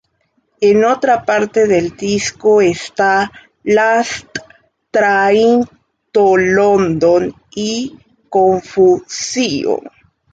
En otra parte del disco está "Last Train to London" y "Confusion".